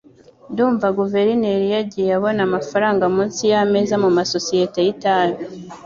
Ndumva guverineri yagiye abona amafaranga munsi yameza kumasosiyete y itabi